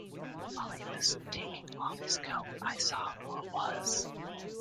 While he was taking off his coat I saw who it was.